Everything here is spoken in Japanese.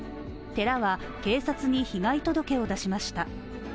寺は、警察に被害届を出しました。